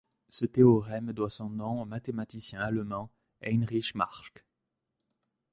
Ce théorème doit son nom au mathématicien allemand Heinrich Maschke.